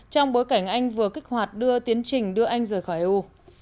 trong bối cảnh anh vừa kích hoạt đưa tiến trình đưa anh rời khỏi eu